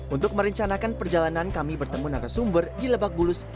untuk merencanakan perjalanan kami bertemu narasumber di lebak bulus